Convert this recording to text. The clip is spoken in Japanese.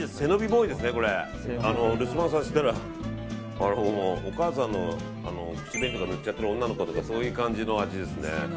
留守番させてたらお母さんの口紅とか塗っちゃってる女の子とかそういう感じの味ですね。